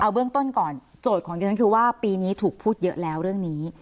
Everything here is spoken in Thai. เอาเบื้องต้นก่อนโจทย์ของดิฉันคือว่าปีนี้ถูกพูดเยอะแล้วเรื่องนี้